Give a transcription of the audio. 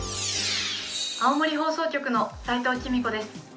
青森放送局の斎藤希実子です。